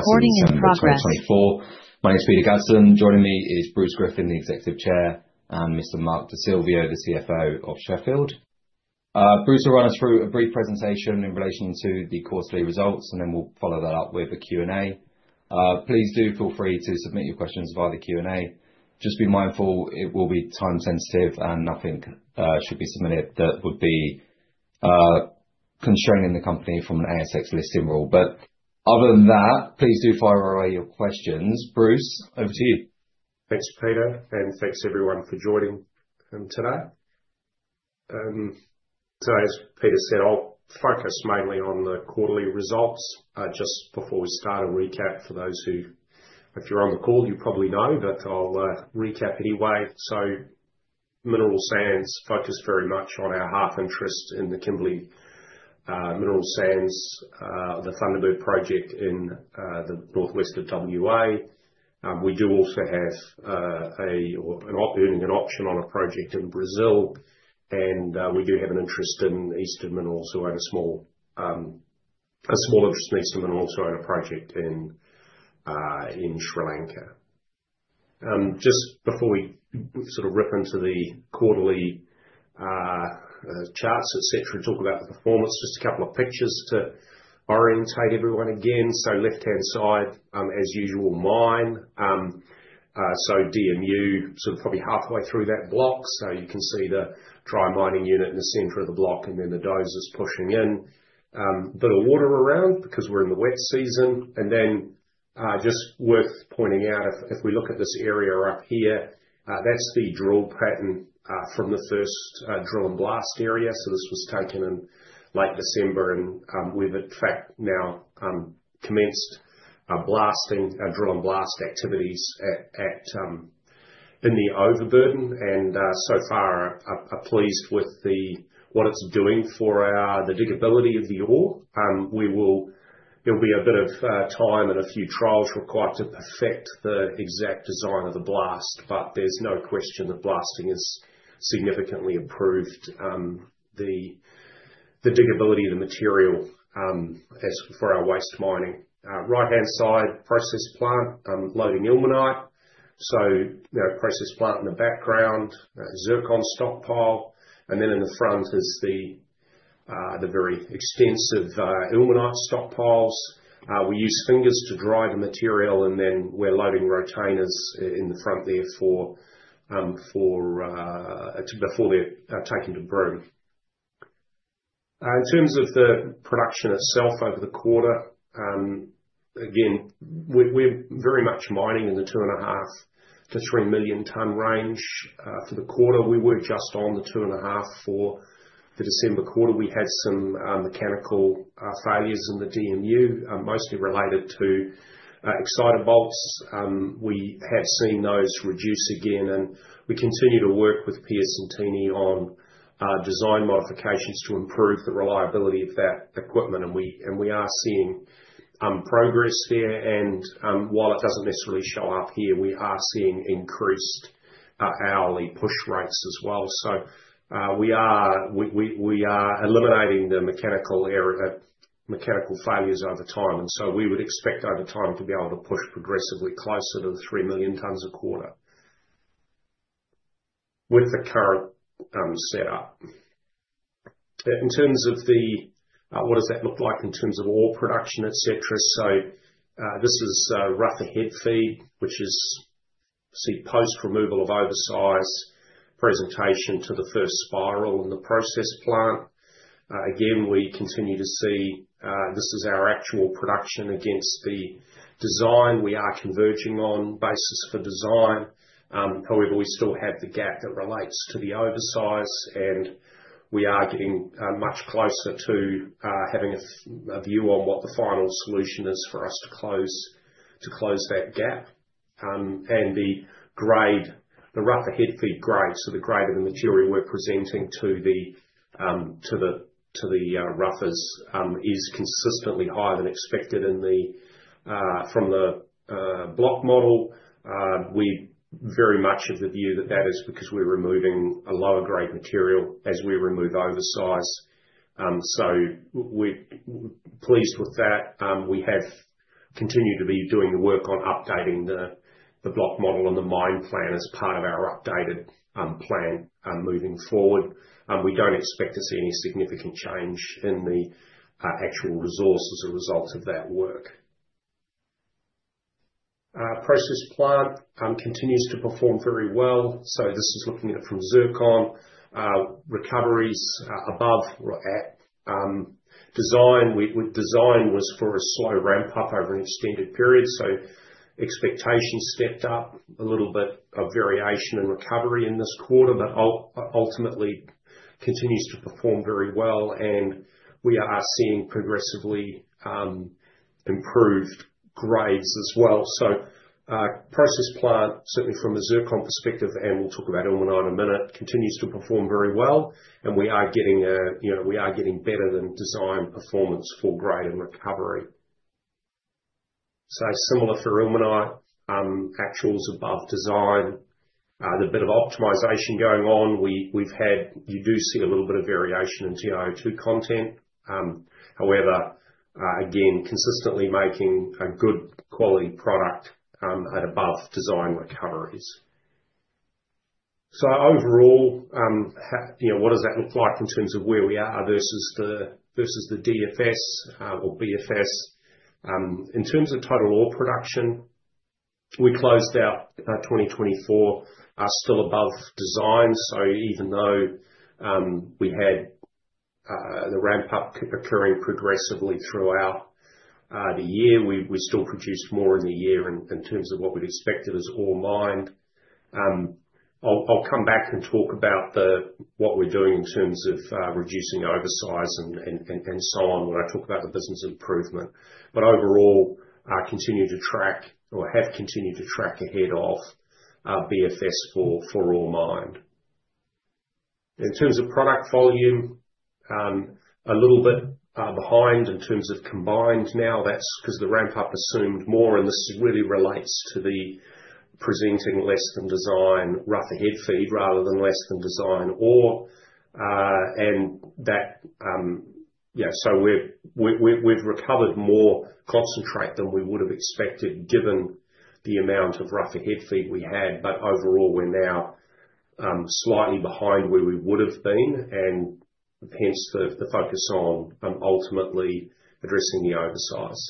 Recording in progress. 2024. My name's Peter Gadsdon. Joining me is Bruce Griffin, the Executive Chair, and Mr. Mark Di Silvio, the CFO of Sheffield. Bruce will run us through a brief presentation in relation to the quarterly results, and then we'll follow that up with a Q&A. Please do feel free to submit your questions via the Q&A. Just be mindful it will be time-sensitive, and nothing should be submitted that would be constraining the company from an ASX listing rule. But other than that, please do fire away your questions. Bruce, over to you. Thanks, Peter, and thanks everyone for joining today. So, as Peter said, I'll focus mainly on the quarterly results. Just before we start, a recap for those who, if you're on the call, you probably know, but I'll recap anyway. So, Mineral Sands focused very much on our half interest in the Kimberley Mineral Sands, the Thunderbird project in the northwest of WA. We do also have an option on a project in Brazil, and we do have an interest in Eastern Minerals, who own a project in Sri Lanka. Just before we sort of rip into the quarterly charts, etc., talk about the performance, just a couple of pictures to orientate everyone again. So, left-hand side, as usual, mine. So, DMU, sort of probably halfway through that block. You can see the dry mining unit in the center of the block, and then the dozers pushing in. Bit of water around because we're in the wet season. And then just worth pointing out, if we look at this area up here, that's the drill pattern from the first drill and blast area. This was taken in late December, and we've, in fact, now commenced blasting, drill and blast activities in the overburden. And so far, I'm pleased with what it's doing for the diggability of the ore. It'll be a bit of time and a few trials required to perfect the exact design of the blast, but there's no question that blasting is significantly improved the diggability of the material for our waste mining. Right-hand side, process plant, loading ilmenite. Process plant in the background, zircon stockpile. Then in the front is the very extensive ilmenite stockpiles. We use fingers to dry the material, and then we're loading Rotainers in the front there before they're taken to Broome. In terms of the production itself over the quarter, again, we're very much mining in the two and a half to three million tonne range for the quarter. We were just on the two and a half for the December quarter. We had some mechanical failures in the DMU, mostly related to exciter bolts. We have seen those reduce again, and we continue to work with Piacentini on design modifications to improve the reliability of that equipment. And we are seeing progress there. And while it doesn't necessarily show up here, we are seeing increased hourly push rates as well. So, we are eliminating the mechanical failures over time. And so, we would expect over time to be able to push progressively closer to the three million tonne a quarter with the current setup. In terms of the, what does that look like in terms of ore production, etc.? So, this is rougher head feed, which is post-removal of oversize presentation to the first spiral in the process plant. Again, we continue to see this is our actual production against the design. We are converging on basis for design. However, we still have the gap that relates to the oversize, and we are getting much closer to having a view on what the final solution is for us to close that gap. And the rougher head feed grade, so the grade of the material we're presenting to the roughers is consistently higher than expected from the block model. We're very much of the view that that is because we're removing a lower grade material as we remove oversize, so we're pleased with that. We have continued to be doing the work on updating the block model and the mine plan as part of our updated plan moving forward. We don't expect to see any significant change in the actual resources as a result of that work. Process plant continues to perform very well, so this is looking at it from zircon. Recoveries above or at design. Design was for a slow ramp-up over an extended period, so expectations stepped up a little bit of variation and recovery in this quarter, but ultimately continues to perform very well, and we are seeing progressively improved grades as well, so process plant, certainly from a zircon perspective, and we'll talk about ilmenite in a minute, continues to perform very well. We are getting better than design performance for grade and recovery. So, similar for ilmenite, actuals above design. There's a bit of optimization going on. We've had, you do see a little bit of variation in TiO2 content. However, again, consistently making a good quality product at above design recoveries. So, overall, what does that look like in terms of where we are versus the DFS or BFS? In terms of total ore production, we closed out 2024 still above design. So, even though we had the ramp-up occurring progressively throughout the year, we still produced more in the year in terms of what we'd expected as ore mined. I'll come back and talk about what we're doing in terms of reducing oversize and so on when I talk about the business improvement. But overall, continue to track or have continued to track ahead of BFS for ore mined. In terms of product volume, a little bit behind in terms of combined now. That's because the ramp-up assumed more, and this really relates to the presenting less than design rougher head feed rather than less than design ore. And that, so we've recovered more concentrate than we would have expected given the amount of rougher head feed we had. But overall, we're now slightly behind where we would have been, and hence the focus on ultimately addressing the oversize.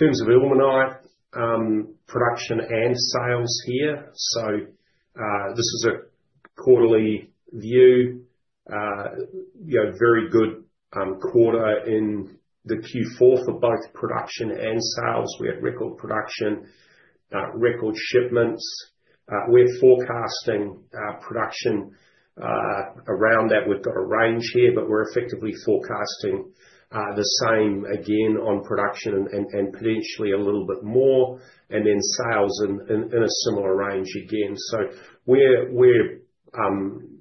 In terms of ilmenite production and sales here, so this is a quarterly view. Very good quarter in the Q4 for both production and sales. We had record production, record shipments. We're forecasting production around that. We've got a range here, but we're effectively forecasting the same again on production and potentially a little bit more, and then sales in a similar range again, so we're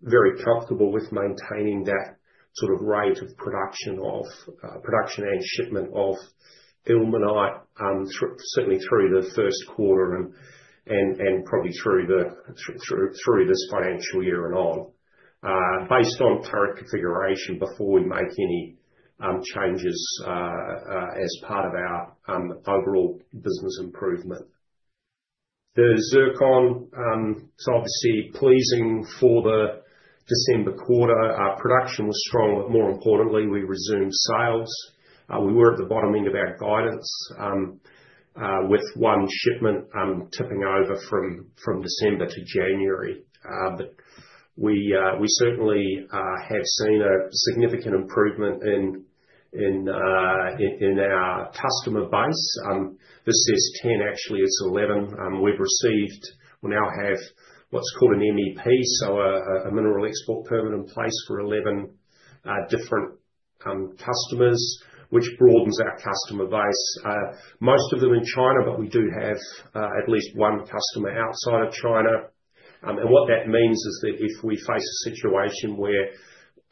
very comfortable with maintaining that sort of rate of production and shipment of ilmenite, certainly through the first quarter and probably through this financial year and on, based on current configuration before we make any changes as part of our overall business improvement. The zircon, so obviously pleasing for the December quarter, production was strong, but more importantly, we resumed sales. We were at the bottom end of our guidance with one shipment tipping over from December to January, but we certainly have seen a significant improvement in our customer base. This is 10, actually, it's 11. We've received, we now have what's called an MEP, so a mineral export permit in place for 11 different customers, which broadens our customer base. Most of them in China, but we do have at least one customer outside of China, and what that means is that if we face a situation where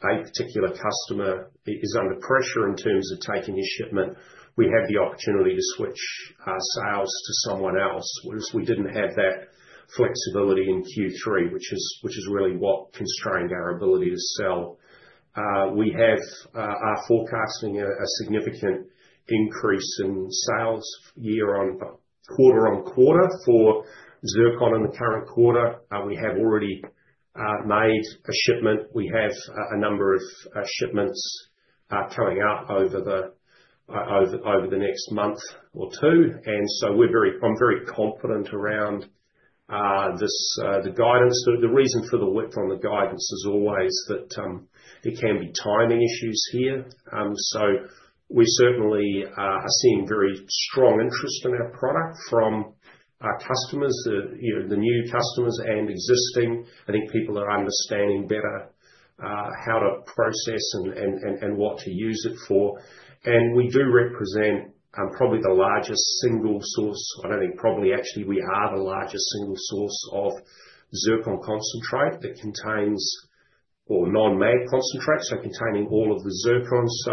a particular customer is under pressure in terms of taking his shipment, we have the opportunity to switch sales to someone else, whereas we didn't have that flexibility in Q3, which is really what constrained our ability to sell. We are forecasting a significant increase in sales year-on-quarter-on-quarter for zircon in the current quarter. We have already made a shipment. We have a number of shipments coming up over the next month or two, and so I'm very confident around the guidance. The reason for the whip on the guidance is always that there can be timing issues here. So, we certainly are seeing very strong interest in our product from our customers, the new customers and existing. I think people are understanding better how to process and what to use it for. And we do represent probably the largest single source. I don't think probably, actually, we are the largest single source of zircon concentrate that contains our non-magnetic concentrate, so containing all of the zircon. So,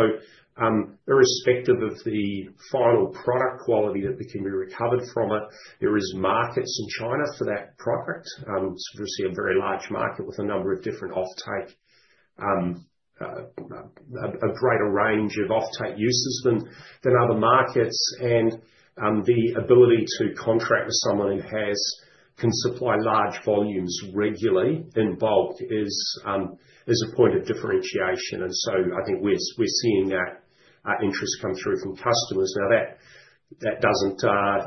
irrespective of the final product quality that can be recovered from it, there are markets in China for that product. It's obviously a very large market with a number of different offtake, a greater range of offtake uses than other markets. And the ability to contract with someone who can supply large volumes regularly in bulk is a point of differentiation. And so, I think we're seeing that interest come through from customers. Now, that doesn't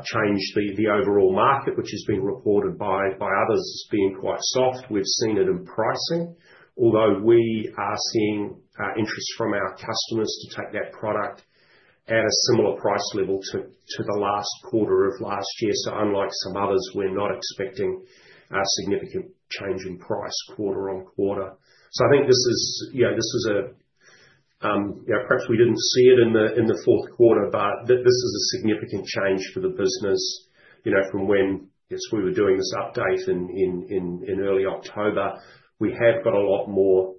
change the overall market, which has been reported by others as being quite soft. We've seen it in pricing, although we are seeing interest from our customers to take that product at a similar price level to the last quarter of last year. So, unlike some others, we're not expecting significant change in price quarter on quarter. So, I think this is a perhaps we didn't see it in the fourth quarter, but this is a significant change for the business. From when, I guess we were doing this update in early October, we have got a lot more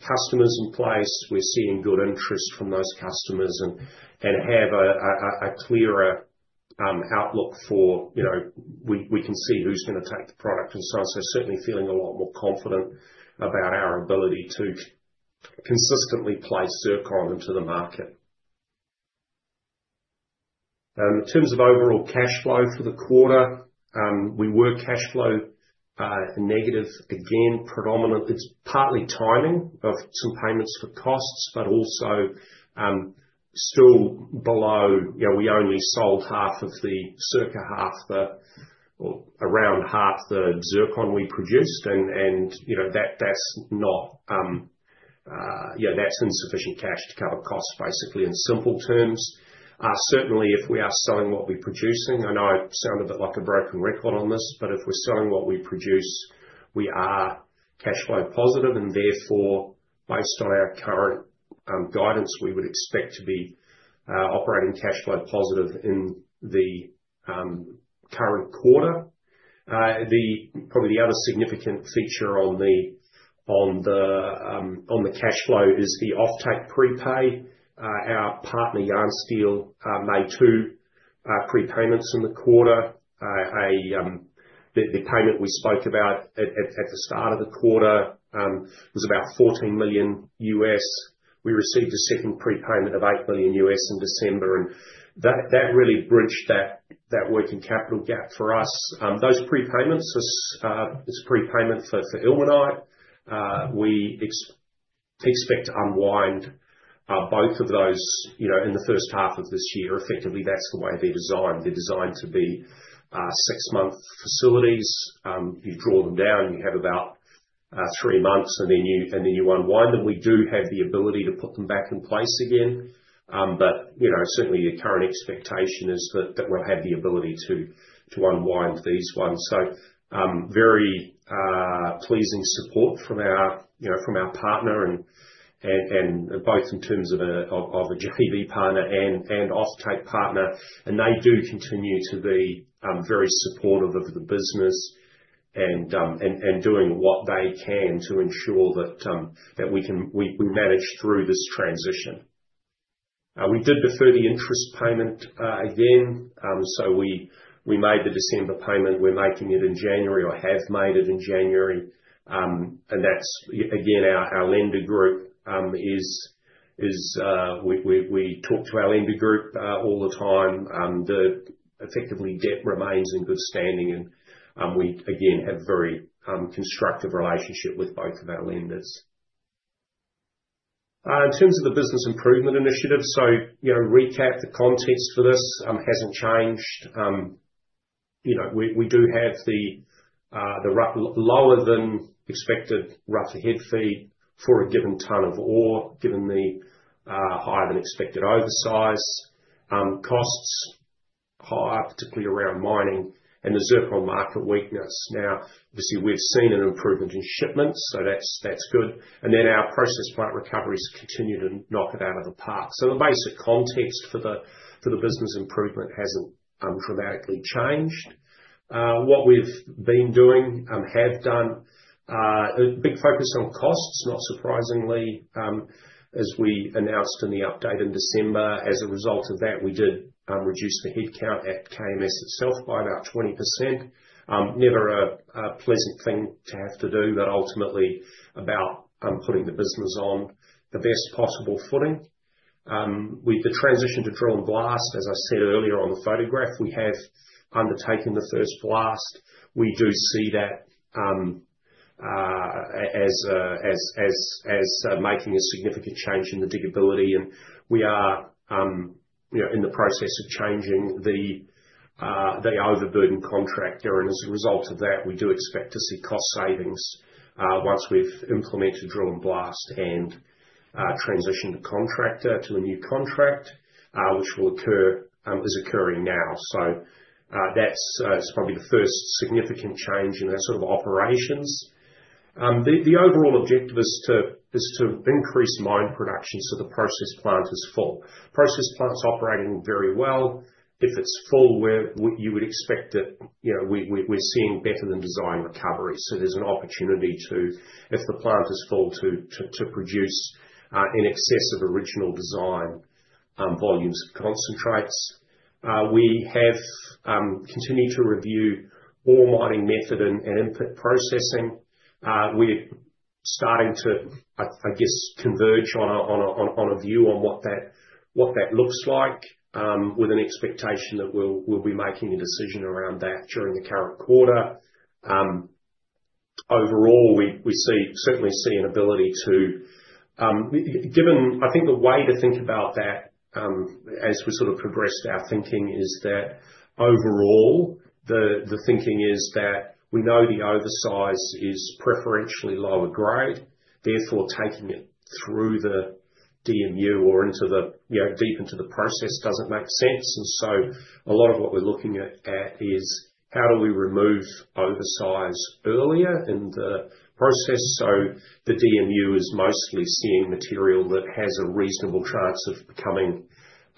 customers in place. We're seeing good interest from those customers and have a clearer outlook for we can see who's going to take the product and so on. Certainly feeling a lot more confident about our ability to consistently place zircon into the market. In terms of overall cash flow for the quarter, we were cash flow negative. Again, predominantly, it's partly timing of some payments for costs, but also still, we only sold half, or around half the zircon we produced. And that's insufficient cash to cover costs, basically, in simple terms. Certainly, if we are selling what we're producing, I know I sound a bit like a broken record on this, but if we're selling what we produce, we are cash flow positive. Therefore, based on our current guidance, we would expect to be operating cash flow positive in the current quarter. Probably the other significant feature on the cash flow is the offtake prepay. Our partner, Yansteel, made two prepayments in the quarter. The payment we spoke about at the start of the quarter was about $14 million. We received a second prepayment of $8 million in December. That really bridged that working capital gap for us. Those prepayments, it's a prepayment for ilmenite. We expect to unwind both of those in the first half of this year. Effectively, that's the way they're designed. They're designed to be six-month facilities. You draw them down, you have about three months, and then you unwind them. We do have the ability to put them back in place again. But certainly, the current expectation is that we'll have the ability to unwind these ones. Very pleasing support from our partner, both in terms of a JV partner and offtake partner. They continue to be very supportive of the business and doing what they can to ensure that we manage through this transition. We did defer the interest payment again. So, we made the December payment. We're making it in January or have made it in January. And that's, again, our lender group is we talk to our lender group all the time. Effectively, debt remains in good standing. And we, again, have a very constructive relationship with both of our lenders. In terms of the business improvement initiative, so recap, the context for this hasn't changed. We do have the lower than expected rougher head feed for a given tonne of ore, given the higher than expected oversize. Costs higher, particularly around mining and the zircon market weakness. Now, obviously, we've seen an improvement in shipments, so that's good. Our process plant recoveries continue to knock it out of the park. The basic context for the business improvement hasn't dramatically changed. What we've been doing, have done, big focus on costs, not surprisingly, as we announced in the update in December. As a result of that, we did reduce the headcount at KMS itself by about 20%. Never a pleasant thing to have to do, but ultimately about putting the business on the best possible footing. With the transition to drill and blast, as I said earlier on the photograph, we have undertaken the first blast. We do see that as making a significant change in the diggability. We are in the process of changing the overburden contractor. As a result of that, we do expect to see cost savings once we've implemented drill and blast and transitioned the contractor to a new contract, which is occurring now. That's probably the first significant change in that sort of operations. The overall objective is to increase mine production so the process plant is full. Process plant's operating very well. If it's full, you would expect that we're seeing better than design recovery. There's an opportunity to, if the plant is full, to produce in excess of original design volumes of concentrates. We have continued to review ore mining method and input processing. We're starting to, I guess, converge on a view on what that looks like, with an expectation that we'll be making a decision around that during the current quarter. Overall, we certainly see an ability to, given, I think, the way to think about that as we sort of progressed our thinking, is that overall, the thinking is that we know the oversize is preferentially lower grade. Therefore, taking it through the DMU or deep into the process doesn't make sense. And so, a lot of what we're looking at is how do we remove oversize earlier in the process. So, the DMU is mostly seeing material that has a reasonable chance of becoming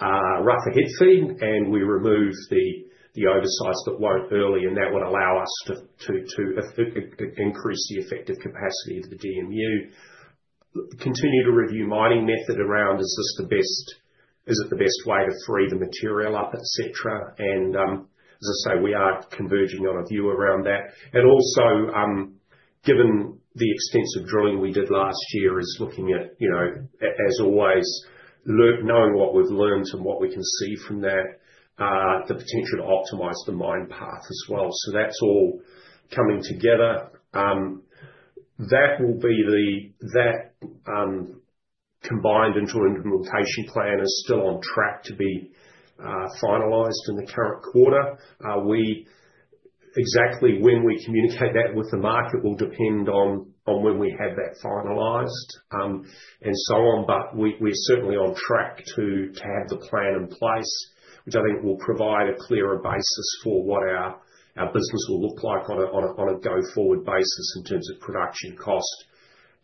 rougher head feed, and we remove the oversize that won't early, and that would allow us to increase the effective capacity of the DMU. Continue to review mining method around, is this the best, is it the best way to free the material up, etc. And as I say, we are converging on a view around that. And also, given the extensive drilling we did last year is looking at, as always, knowing what we've learned and what we can see from that, the potential to optimize the mine plan as well. So, that's all coming together. That will be combined into an implementation plan is still on track to be finalized in the current quarter. Exactly when we communicate that with the market will depend on when we have that finalized and so on. But we're certainly on track to have the plan in place, which I think will provide a clearer basis for what our business will look like on a go-forward basis in terms of production cost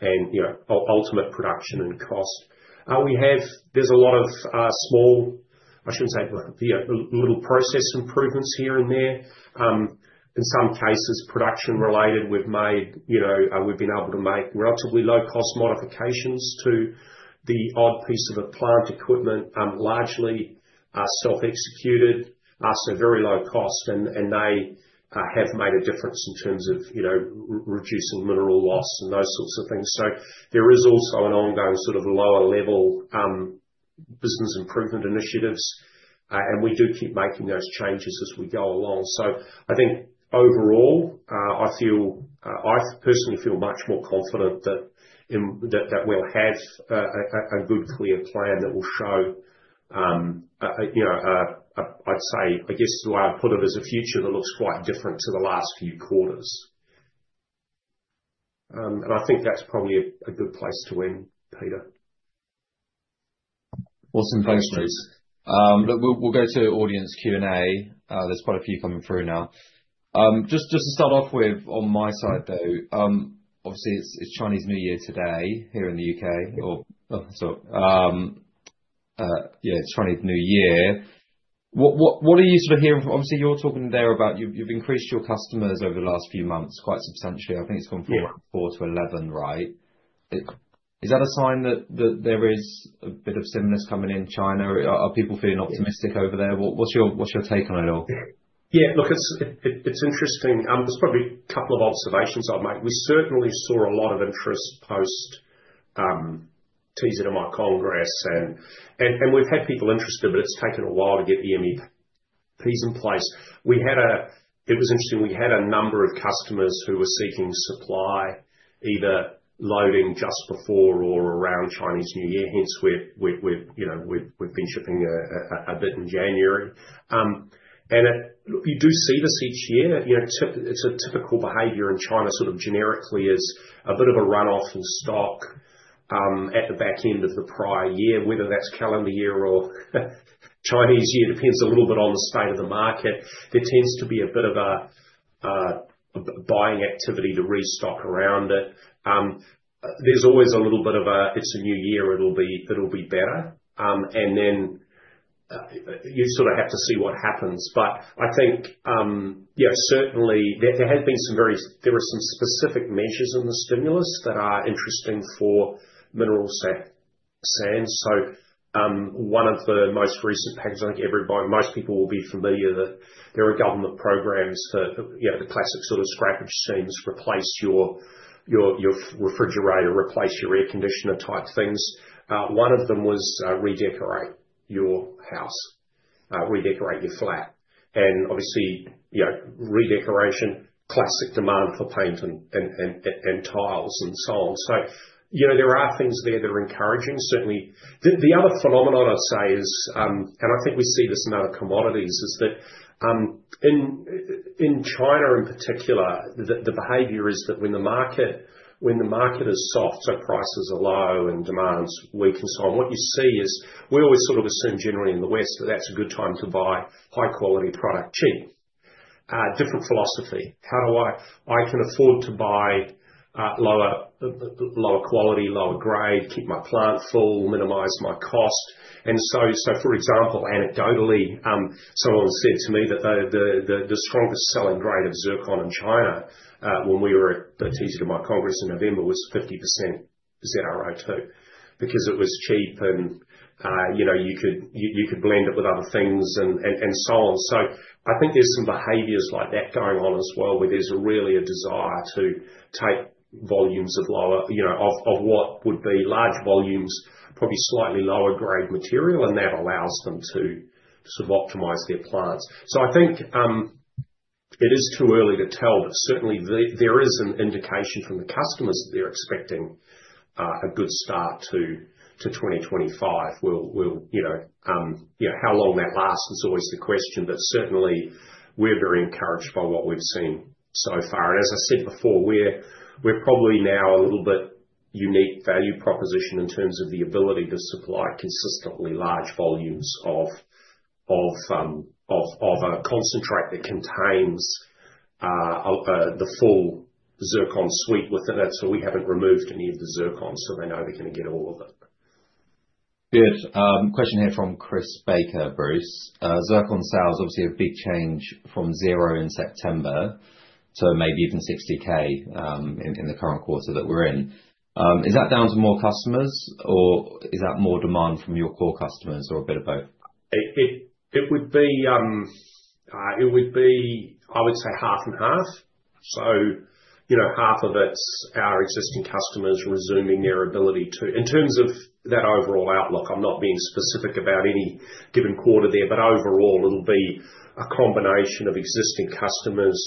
and ultimate production and cost. There's a lot of small, I shouldn't say little process improvements here and there. In some cases, production-related, we've been able to make relatively low-cost modifications to the odd piece of plant equipment, largely self-executed, so very low cost, and they have made a difference in terms of reducing mineral loss and those sorts of things. There is also an ongoing sort of lower-level business improvement initiatives, and we do keep making those changes as we go along. I think overall, I personally feel much more confident that we'll have a good, clear plan that will show, I'd say, I guess I'll put it as a future that looks quite different to the last few quarters. I think that's probably a good place to end, Peter. Awesome. Thanks, Bruce. We'll go to audience Q&A. There's quite a few coming through now. Just to start off with, on my side, though, obviously, it's Chinese New Year today here in the U.K. Yeah, it's Chinese New Year. What are you sort of hearing from? Obviously, you're talking there about you've increased your customers over the last few months quite substantially. I think it's gone from four to 11, right? Is that a sign that there is a bit of something coming in China? Are people feeling optimistic over there? What's your take on it all? Yeah. Look, it's interesting. There's probably a couple of observations I've made. We certainly saw a lot of interest post TZMI Congress. And we've had people interested, but it's taken a while to get MEPs in place. It was interesting. We had a number of customers who were seeking supply, either loading just before or around Chinese New Year. Hence, we've been shipping a bit in January. And you do see this each year. It's a typical behavior in China sort of generically is a bit of a run-off in stock at the back end of the prior year, whether that's calendar year or Chinese year. It depends a little bit on the state of the market. There tends to be a bit of a buying activity to restock around it. There's always a little bit of a, it's a new year, it'll be better, and then you sort of have to see what happens, but I think certainly there has been some very, there are some specific measures in the stimulus that are interesting for mineral sand, so one of the most recent packages, I think most people will be familiar with, there are government programs for the classic sort of scrappage schemes, replace your refrigerator, replace your air conditioner type things. One of them was redecorate your house, redecorate your flat. Obviously, redecoration, classic demand for paint and tiles and so on. So, there are things there that are encouraging. Certainly, the other phenomenon I'd say is, and I think we see this in other commodities, is that in China in particular, the behavior is that when the market is soft, so prices are low and demand's weak and so on, what you see is we always sort of assume generally in the West that that's a good time to buy high-quality product cheap. Different philosophy. How do I can afford to buy lower quality, lower grade, keep my plant full, minimize my cost? And so, for example, anecdotally, someone said to me that the strongest selling grade of zircon in China when we were at TZMI Congress in November was 50% ZrO2 because it was cheap and you could blend it with other things and so on. So, I think there's some behaviors like that going on as well where there's really a desire to take volumes of what would be large volumes, probably slightly lower grade material, and that allows them to sort of optimize their plants. So, I think it is too early to tell, but certainly there is an indication from the customers that they're expecting a good start to 2025. Well, how long that lasts is always the question, but certainly we're very encouraged by what we've seen so far. And as I said before, we're probably now a little bit unique value proposition in terms of the ability to supply consistently large volumes of a concentrate that contains the full zircon suite with it. That's why we haven't removed any of the zircon, so they know they're going to get all of it. Good. Question here from Chris Baker, Bruce. Zircon sales obviously a big change from zero in September to maybe even 60,000 in the current quarter that we're in. Is that down to more customers or is that more demand from your core customers or a bit of both? It would be, I would say, half and half. So, half of it's our existing customers resuming their ability to, in terms of that overall outlook. I'm not being specific about any given quarter there, but overall, it'll be a combination of existing customers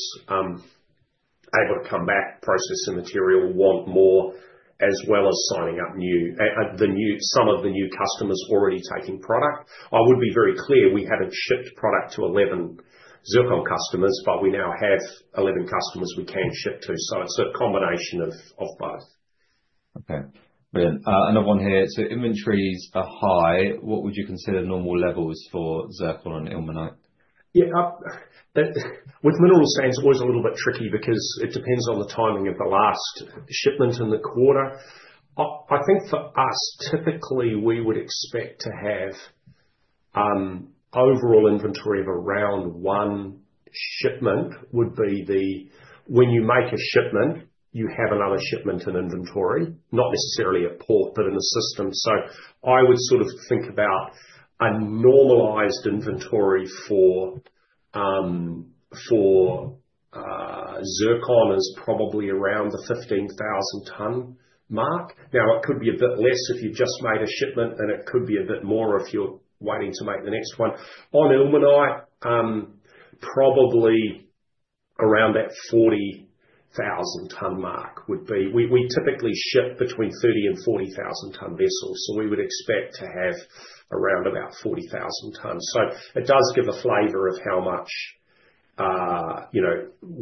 able to come back, process the material, want more, as well as signing up some of the new customers already taking product. I would be very clear. We haven't shipped product to 11 zircon customers, but we now have 11 customers we can ship to. So, it's a combination of both. Okay. Brilliant. Another one here, so inventories are high. What would you consider normal levels for zircon and ilmenite? Yeah. With mineral sands, it's always a little bit tricky because it depends on the timing of the last shipment in the quarter. I think for us, typically, we would expect to have overall inventory of around one shipment would be the, when you make a shipment, you have another shipment in inventory, not necessarily at port, but in the system. So, I would sort of think about a normalized inventory for zircon is probably around the 15,000-ton mark. Now, it could be a bit less if you've just made a shipment, and it could be a bit more if you're waiting to make the next one. On ilmenite, probably around that 40,000-ton mark would be. We typically ship between 30,000 and 40,000-ton vessels, so we would expect to have around about 40,000 tons. It does give a flavor of how much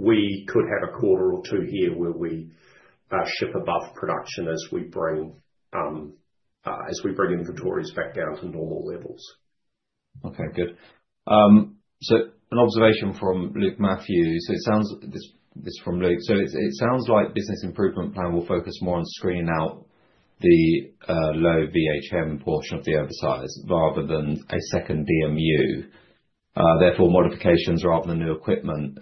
we could have a quarter or two here where we ship above production as we bring inventories back down to normal levels. Okay. Good. An observation from Luke Matthews. It sounds like this from Luke. It sounds like the business improvement plan will focus more on screening out the low VHM portion of the oversize rather than a second DMU, therefore modifications rather than new equipment.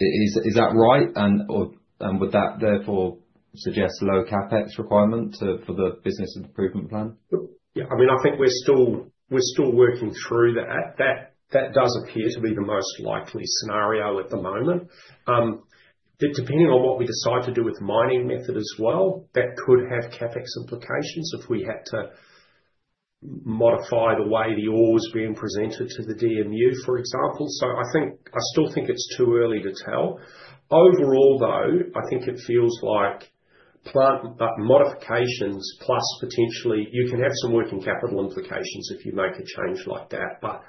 Is that right? And would that therefore suggest low CapEx requirement for the business improvement plan? Yeah. I mean, I think we're still working through that. That does appear to be the most likely scenario at the moment. Depending on what we decide to do with the mining method as well, that could have CapEx implications if we had to modify the way the ore is being presented to the DMU, for example. So, I still think it's too early to tell. Overall, though, I think it feels like plant modifications plus potentially you can have some working capital implications if you make a change like that. But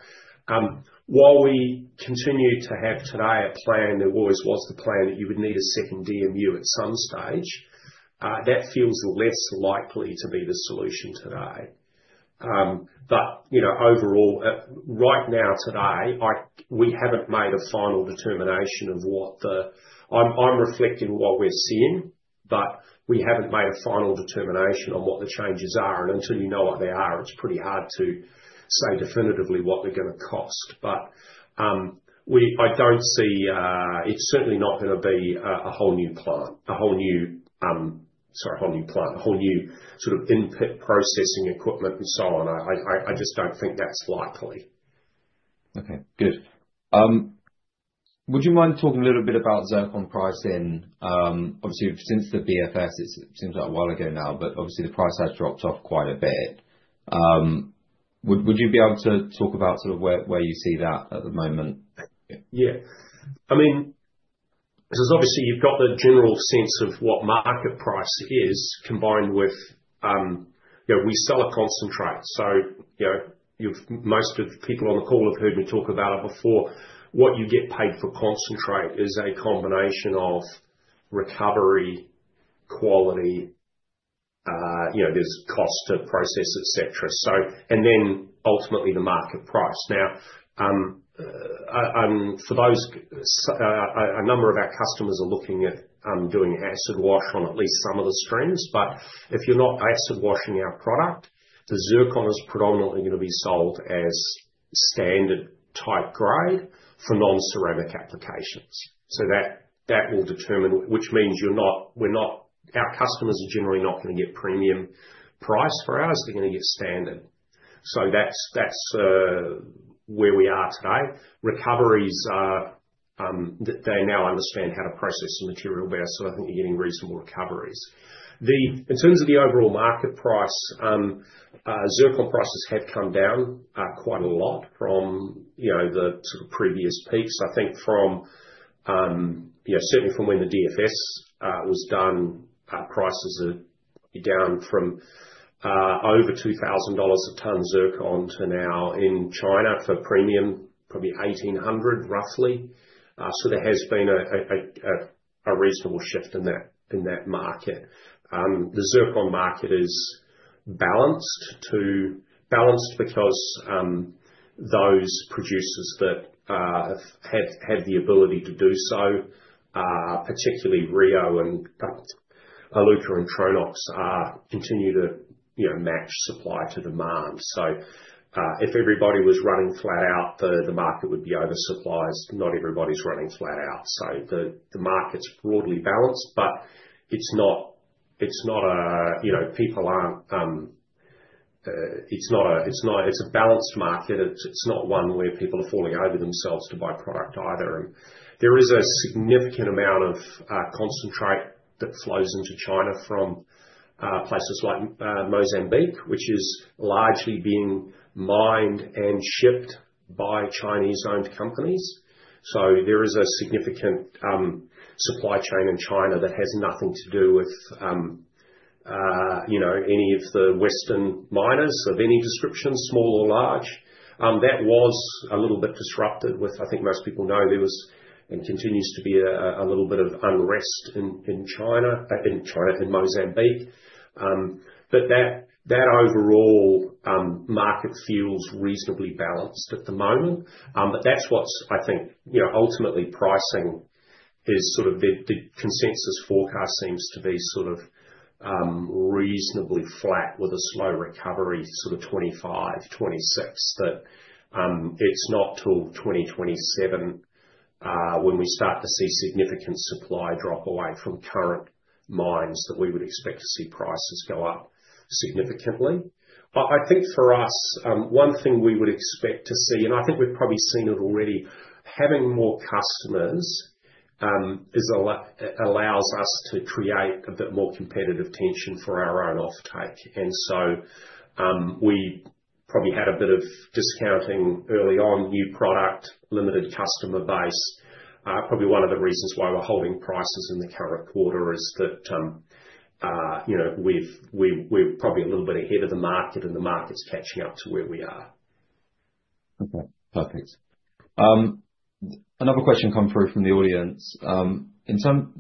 while we continue to have today a plan, there always was the plan that you would need a second DMU at some stage. That feels less likely to be the solution today. But overall, right now, today, I'm reflecting what we're seeing, but we haven't made a final determination on what the changes are. Until you know what they are, it's pretty hard to say definitively what they're going to cost. I don't see. It's certainly not going to be a whole new plant, a whole new sort of input processing equipment and so on. I just don't think that's likely. Okay. Good. Would you mind talking a little bit about zircon pricing? Obviously, since the BFS, it seems like a while ago now, but obviously, the price has dropped off quite a bit. Would you be able to talk about sort of where you see that at the moment? Yeah. I mean, so obviously, you've got the general sense of what market price is combined with we sell a concentrate. So, most of the people on the call have heard me talk about it before. What you get paid for concentrate is a combination of recovery, quality. There's cost to process, etc., and then ultimately, the market price. Now, for those, a number of our customers are looking at doing acid wash on at least some of the streams, but if you're not acid washing our product, the zircon is predominantly going to be sold as standard type grade for non-ceramic applications. That will determine, which means our customers are generally not going to get premium price for ours. They're going to get standard. That's where we are today. Recoveries, they now understand how to process the material better. I think you're getting reasonable recoveries. In terms of the overall market price, zircon prices have come down quite a lot from the sort of previous peaks. I think, certainly from when the DFS was done, prices are down from over $2,000 a ton zircon to now in China for premium, probably $1,800 roughly. So there has been a reasonable shift in that market. The zircon market is balanced because those producers that had the ability to do so, particularly Rio and Iluka and Tronox, continue to match supply to demand. So if everybody was running flat out, the market would be oversupplied. Not everybody's running flat out. So the market's broadly balanced, but it's not a. People aren't. It's not a. It's a balanced market. It's not one where people are falling over themselves to buy product either. And there is a significant amount of concentrate that flows into China from places like Mozambique, which is largely being mined and shipped by Chinese-owned companies. So there is a significant supply chain in China that has nothing to do with any of the Western miners of any description, small or large. That was a little bit disrupted with, I think most people know, there was and continues to be a little bit of unrest in China, in Mozambique. But that overall market feels reasonably balanced at the moment. But that's what's, I think, ultimately pricing is sort of the consensus forecast seems to be sort of reasonably flat with a slow recovery, sort of 2025, 2026, that it's not till 2027 when we start to see significant supply drop away from current mines that we would expect to see prices go up significantly. I think for us, one thing we would expect to see, and I think we've probably seen it already, having more customers allows us to create a bit more competitive tension for our own offtake, and so we probably had a bit of discounting early on, new product, limited customer base. Probably one of the reasons why we're holding prices in the current quarter is that we're probably a little bit ahead of the market and the market's catching up to where we are. Okay. Perfect. Another question come through from the audience.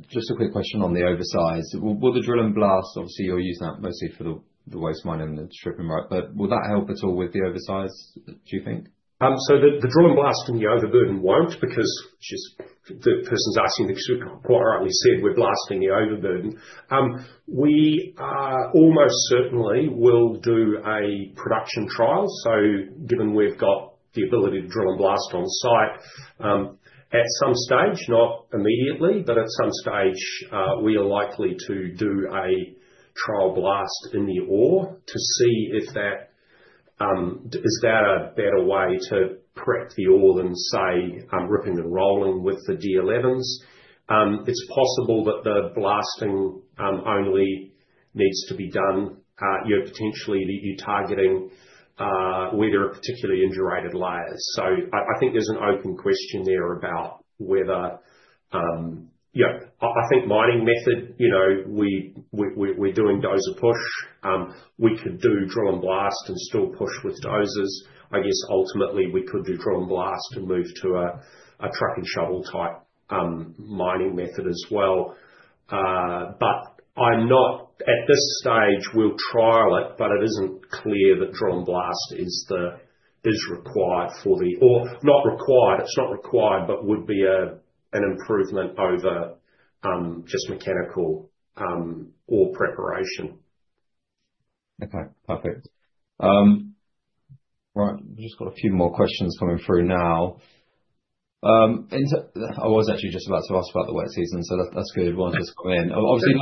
Just a quick question on the oversize. Will the drill and blast, obviously, you'll use that mostly for the waste mining and the stripping, right, but will that help at all with the oversize, do you think? So the drill and blast and the overburden won't because the person's asking because we've quite rightly said we're blasting the overburden. We almost certainly will do a production trial. So given we've got the ability to drill and blast on site at some stage, not immediately, but at some stage, we are likely to do a trial blast in the ore to see if that is that a better way to prep the ore than, say, ripping and rolling with the D11s. It's possible that the blasting only needs to be done. Potentially, you're targeting whether or particularly indurated layers. So I think there's an open question there about whether I think mining method, we're doing dozer push. We could do drill and blast and still push with dozers. I guess ultimately, we could do drill and blast and move to a truck and shovel type mining method as well. But I'm not at this stage, we'll trial it, but it isn't clear that drill and blast is required for the ore or not required. It's not required, but would be an improvement over just mechanical ore preparation. Okay. Perfect. Right. We've just got a few more questions coming through now, and I was actually just about to ask about the wet season, so that's good. One's just come in. Obviously,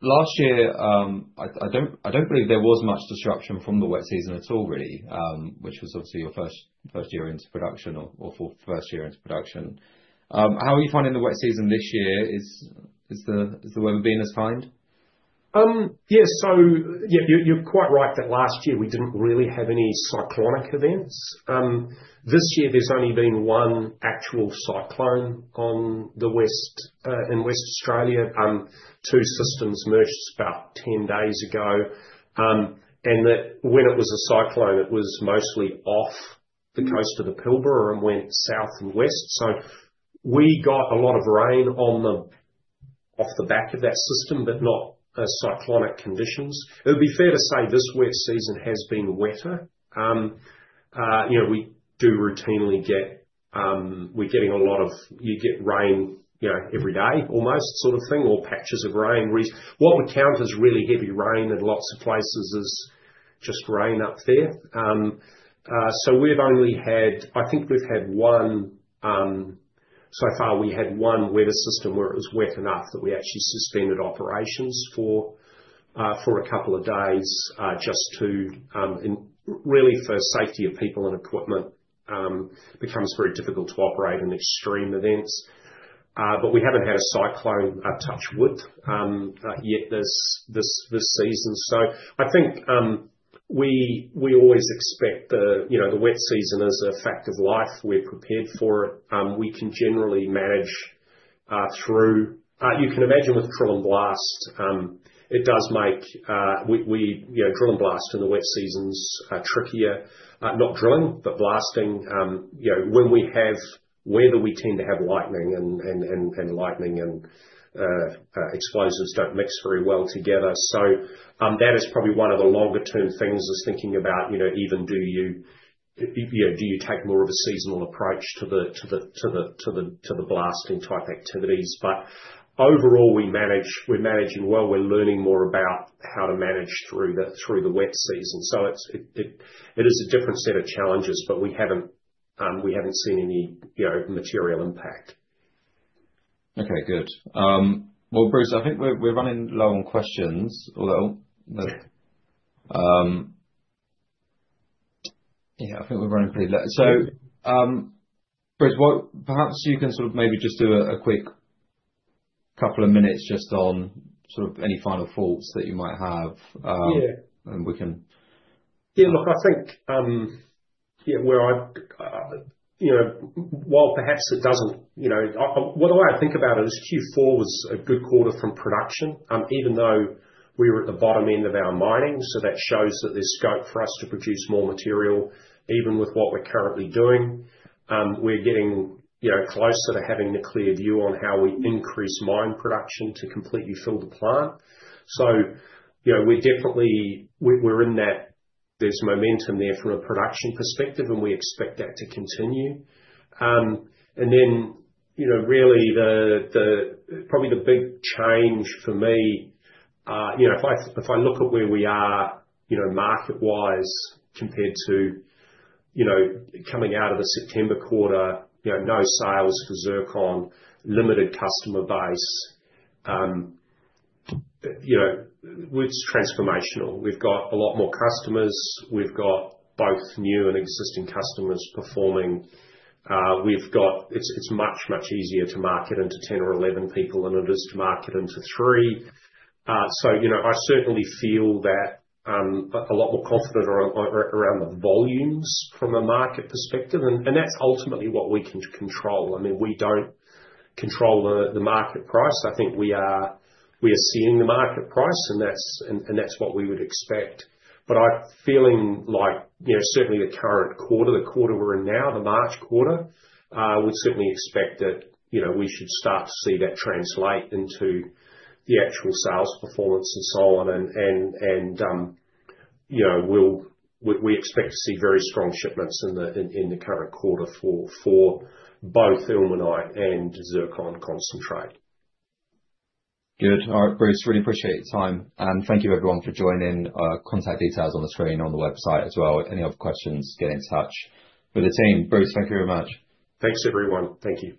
last year, I don't believe there was much disruption from the wet season at all, really, which was obviously your first year into production or first year into production. How are you finding the wet season this year? Is the weather being as kind? Yeah. Yeah, you're quite right that last year, we didn't really have any cyclonic events. This year, there's only been one actual cyclone in Western Australia. Two systems merged about 10 days ago. And when it was a cyclone, it was mostly off the coast of the Pilbara and went south and west. So we got a lot of rain off the back of that system, but not cyclonic conditions. It would be fair to say this wet season has been wetter. We do routinely get. We're getting a lot. You get rain every day almost, sort of thing, or patches of rain. What we count as really heavy rain in lots of places is just rain up there. So we've only had, I think we've had one so far. We had one weather system where it was wet enough that we actually suspended operations for a couple of days just to really for safety of people and equipment. It becomes very difficult to operate in extreme events. But we haven't had a cyclone, touch wood, yet this season. So I think we always expect the wet season is a fact of life. We're prepared for it. We can generally manage through. You can imagine with drill and blast, it does make drill and blast in the wet seasons trickier. Not drilling, but blasting. When we have weather, we tend to have lightning and lightning and explosives don't mix very well together. So that is probably one of the longer-term things is thinking about even do you take more of a seasonal approach to the blasting type activities. Overall, we're managing well. We're learning more about how to manage through the wet season. It is a different set of challenges, but we haven't seen any material impact. Okay. Good. Bruce, I think we're running low on questions, although yeah, I think we're running pretty low. Bruce, perhaps you can sort of maybe just do a quick couple of minutes just on sort of any final thoughts that you might have, and we can. Yeah. Look, I think while perhaps it doesn't, what I think about it is Q4 was a good quarter from production, even though we were at the bottom end of our mining. That shows that there's scope for us to produce more material even with what we're currently doing. We're getting closer to having a clear view on how we increase mine production to completely fill the plant. We're definitely in that there's momentum there from a production perspective, and we expect that to continue. Then really, probably the big change for me, if I look at where we are market-wise compared to coming out of the September quarter, no sales for zircon, limited customer base, it's transformational. We've got a lot more customers. We've got both new and existing customers performing. It's much, much easier to market into 10 or 11 people than it is to market into three. I certainly feel a lot more confident around the volumes from a market perspective. That's ultimately what we can control. I mean, we don't control the market price. I think we are seeing the market price, and that's what we would expect. But I'm feeling like certainly the current quarter, the quarter we're in now, the March quarter, would certainly expect that we should start to see that translate into the actual sales performance and so on. And we expect to see very strong shipments in the current quarter for both ilmenite and zircon concentrate. Good. All right, Bruce. Really appreciate your time. And thank you, everyone, for joining. Contact details on the screen on the website as well. Any other questions, get in touch with the team. Bruce, thank you very much. Thanks, everyone. Thank you.